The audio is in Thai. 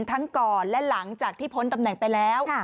ทั้งก่อนและหลังจากที่พ้นตำแหน่งไปแล้ว